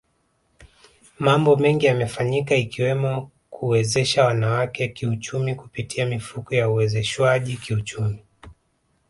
Mambo mengi yamefanyika ikiwemo kuwezesha wanawake kiuchumi kupitia mifuko ya uwezeshwaji kiuchumi